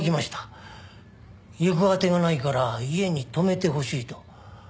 行く当てがないから家に泊めてほしいと。